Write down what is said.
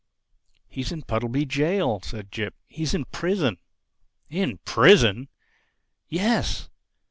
"He's in Puddleby Jail," said Jip. "He's in prison." "In prison!" "Yes."